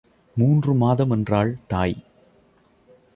மூன்று மாதம் என்றாள் தாய்.